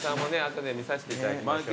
後で見させていただきましょう。